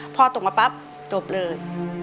พอตกมาปั๊บจบเลย